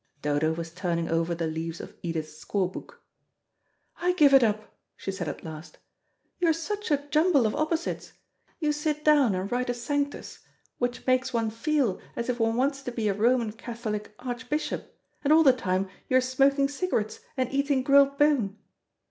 Dodo was turning over the leaves of Edith's score book. "I give it up," she said at last; "you are such a jumble of opposites. You sit down and write a Sanctus, which makes one feel as if one wants to be a Roman Catholic archbishop, and all the time you are smoking cigarettes and eating grilled bone."